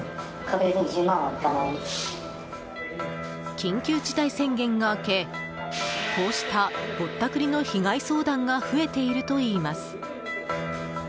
緊急事態宣言が明けこうしたぼったくりの被害相談が増えているといいます。